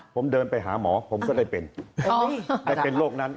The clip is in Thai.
ผมเดินไปหาหมอผมก็เลยเป็นได้เป็นโรคนั้น